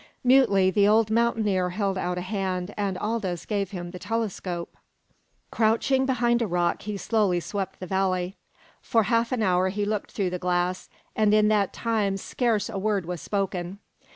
Mutely the old mountaineer held out a hand, and Aldous gave him the telescope. Crouching behind a rock he slowly swept the valley. For half an hour he looked through the glass, and in that time scarce a word was spoken.